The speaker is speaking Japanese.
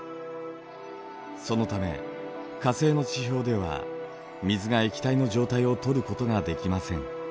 そのため火星の地表では水が液体の状態をとることができません。